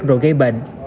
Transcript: rồi gây bệnh